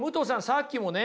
さっきもね